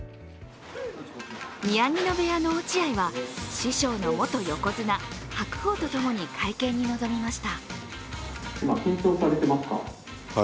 宮城野部屋の落合は師匠の元横綱・白鵬とともに会見に臨みました。